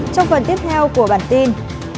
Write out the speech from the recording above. trong phần tiếp theo của bản tin